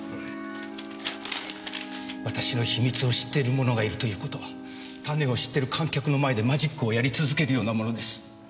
私の秘密を知っている者がいるという事はタネを知ってる観客の前でマジックをやり続けるようなものです。